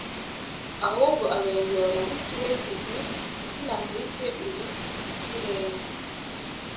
Ahubwo abengerana nk’ ikirezi Nti “izina nkwise uri ikirenga”